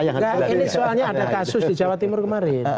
enggak ini soalnya ada kasus di jawa timur kemarin